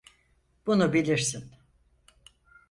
Bunu bilirsin.